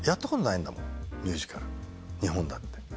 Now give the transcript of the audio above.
日本だって。